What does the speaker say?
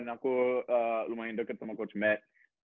dan aku lumayan dekat sama coach matt